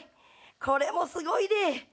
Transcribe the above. これもすごいで！